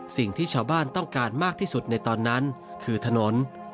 สิ่งที่ชาวบ้านต้องการมากที่สุดในตอนนั้นคือถนน